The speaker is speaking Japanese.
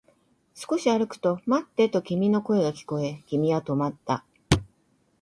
少し歩くと、待ってと君の声が聞こえ、君は止まった